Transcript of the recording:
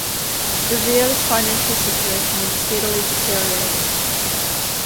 De Vere's financial situation was steadily deteriorating.